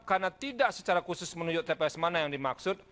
karena tidak secara khusus menunjuk tps mana yang dimaksud